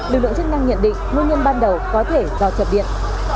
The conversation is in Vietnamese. lực lượng chức năng nhận định nguyên nhân ban đầu có thể do chập điện